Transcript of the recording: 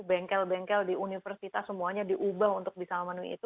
bengkel bengkel di universitas semuanya diubah untuk bisa memenuhi itu